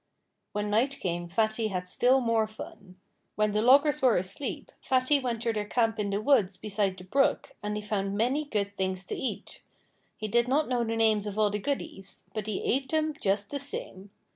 When night came Fatty had still more fun. When the loggers were asleep Fatty went to their camp in the woods beside the brook and he found many good things to eat. He did not know the names of all the goodies; but he ate them just the same.